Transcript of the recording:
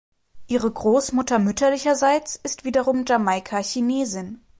Ihre Großmutter mütterlicherseits ist wiederum Jamaika-Chinesin.